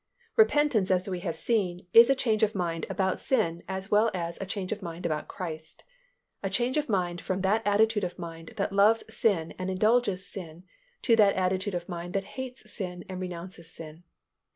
Repentance as we have seen is a change of mind about sin as well as a change of mind about Christ; a change of mind from that attitude of mind that loves sin and indulges sin to that attitude of mind that hates sin and renounces sin.